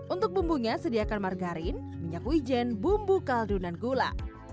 untuk bumbunya sediakan margarin minyak wijen bumbu kaldu dan gula